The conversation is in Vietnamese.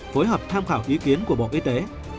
phối hợp tham khảo ý kiến của bộ y tế